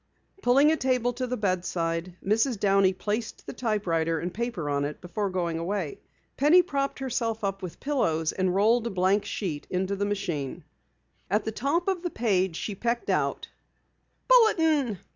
Pulling a table to the bedside, Mrs. Downey placed the typewriter and paper on it before going away. Penny propped herself up with pillows and rolled a blank sheet into the machine. At the top of the page she pecked out: "Bulletin."